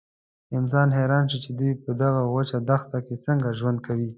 انسان حیران شي چې دوی په دغه وچه دښته کې څنګه ژوند کوي.